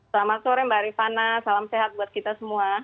selamat sore mbak rifana salam sehat buat kita semua